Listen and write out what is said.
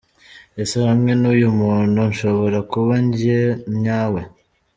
Ese hamwe n’uyu muntu nshobora kuba njye nyawe?.